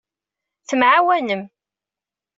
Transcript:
Temɛawanem.